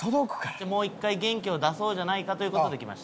もう１回元気を出そうじゃないかという事で来ました。